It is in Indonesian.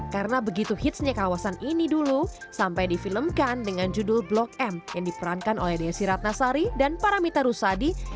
karena begitu hitsnya kawasan ini dulu sampai difilmkan dengan judul blok m yang diperankan oleh desi ratnasari dan paramita rusa di jepang